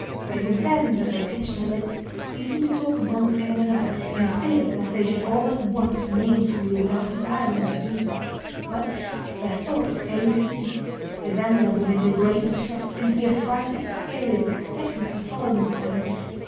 It was then that they pinched their lips, ceasing to talk of one thing and another, in fear lest they should all at once name Camille without desiring to do so. But their thoughts failing to cease, had then led them into great distress, into the affrighted period of expectancy following the crime.